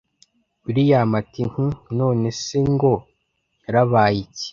william ati hhm nonese ngo yarabayik